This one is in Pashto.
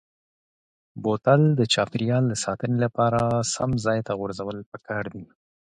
بوتل د چاپیریال د ساتنې لپاره سم ځای ته غورځول پکار دي.